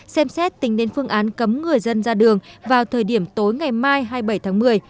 xem xét tính đến phương án cấm người dân ra đường vào thời điểm tối ngày mai hai mươi bảy tháng một mươi